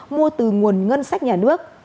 mua từ nguồn ngân sách nhà nước